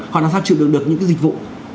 hoặc là sao chịu được những dịch vụ